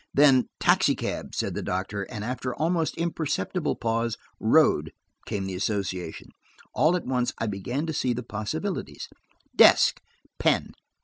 Then– "Taxicab," said the doctor, and, after an almost imperceptible pause, "road" came the association. All at once I began to see the possibilities. "Desk." "Pen."